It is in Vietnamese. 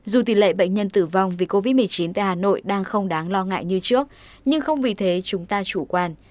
dù tỷ lệ bệnh nhân tử vong vì covid một mươi chín tại hà nội đang không đáng lo ngại như trước nhưng không vì thế chúng ta chủ quan